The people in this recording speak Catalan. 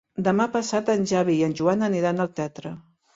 Demà passat en Xavi i en Joan aniran al teatre.